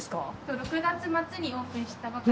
６月末にオープンしたばかり。